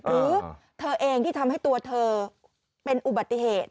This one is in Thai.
หรือเธอเองที่ทำให้ตัวเธอเป็นอุบัติเหตุ